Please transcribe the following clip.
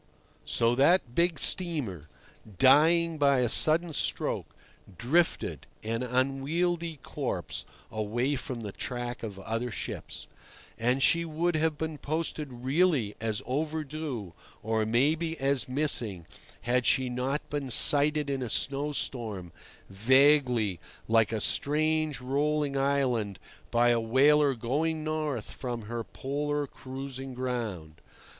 So that big steamer, dying by a sudden stroke, drifted, an unwieldy corpse, away from the track of other ships. And she would have been posted really as "overdue," or maybe as "missing," had she not been sighted in a snowstorm, vaguely, like a strange rolling island, by a whaler going north from her Polar cruising ground.